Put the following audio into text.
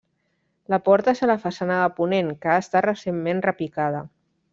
La porta és a la façana de ponent, que ha estat recentment repicada.